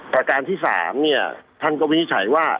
ประการที่๓เนี่ยท่านก็วินิจฉัยว่า